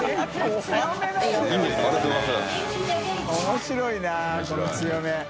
面白いなこの強め。面白い。